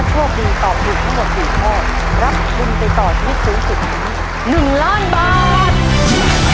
ถ้าตอบถูกทั้งหมดสี่ข้อรับหนึ่งไปต่อที่สูงสุดหนึ่งหนึ่งล้านบาท